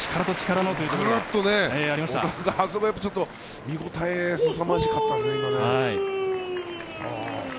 あそこは見応えがすさまじかったですね。